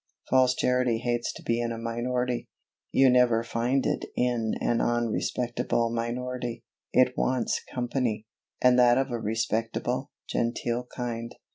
False Charity hates to be in a minority you never find it in an unrespectable minority, it wants company, and that of a respectable, genteel kind.